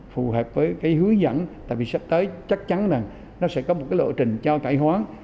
phù hợp với cái hướng dẫn tại vì sắp tới chắc chắn là nó sẽ có một cái lộ trình cho cải hoán